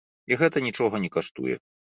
І гэта нічога не каштуе.